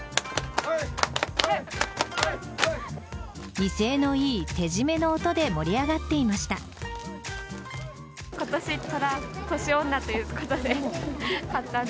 威勢の良い手締めの音で盛り上がっていました。